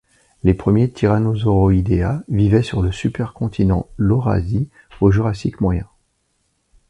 Les premiers Tyrannosauroidea vivaient sur le supercontinent Laurasie au Jurassique moyen.